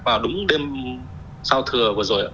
vào đúng đêm giao thừa